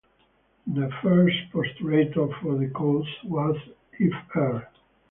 The first postulator for the cause was Fr.